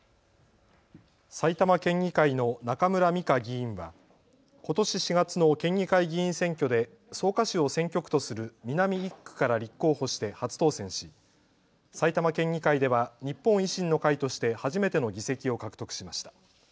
埼玉県議会の中村美香議員はことし４月の県議会議員選挙で草加市を選挙区とする南１区から立候補して初当選し埼玉県議会では日本維新の会として初めての議席を獲得しました。